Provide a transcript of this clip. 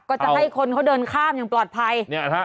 ก็จะให้คนเขาเดินข้ามอย่างปลอดภัย